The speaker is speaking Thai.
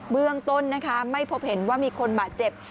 เบื้องต้นนะคะไม่พบเห็นว่ามีคนบาดเจ็บ